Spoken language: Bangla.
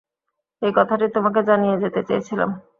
এই কথাটি তোমাকে জানিয়ে যেতে চেয়েছিলাম।